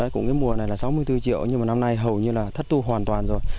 cũng cái mùa này là sáu mươi bốn triệu nhưng mà năm nay hầu như là thất tu hoàn toàn rồi